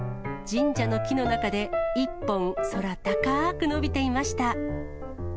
神社の木の中で１本空高く伸びていました。